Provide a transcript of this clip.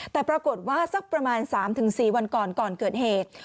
แต่ปรากฏว่าสักประมาณ๓๔วันก่อนก่อนเกิดเหตุ